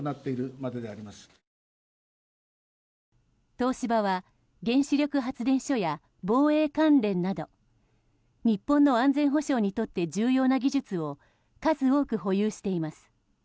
東芝は原子力発電所や防衛関連など日本の安全保障にとって重要な技術を数多く保有しています。